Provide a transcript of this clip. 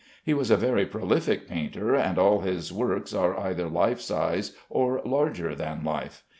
He was a very prolific painter, and all his works are either life size or larger than life.